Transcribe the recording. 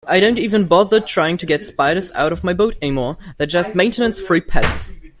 I don't even bother trying to get spiders out of my boat anymore, they're just maintenance-free pets.